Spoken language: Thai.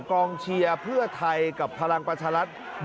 กองเชียร์เพื่อไทยกับพลังประชารัฐ